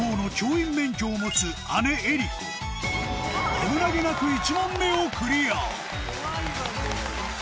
危なげなく１問目をクリア